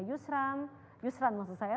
yusran yusran maksud saya